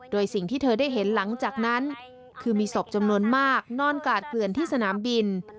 โดยสิ่งที่เธอได้เห็นหลังจากนั้นคือมีศพจำนวนมากนอนกาดเกลือนที่สนามบิน